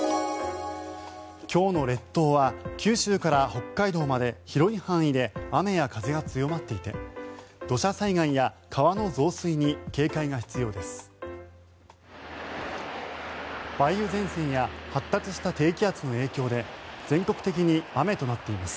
今日の列島は九州から北海道まで広い範囲で雨や風が強まっていて土砂災害や川の増水に警戒が必要です。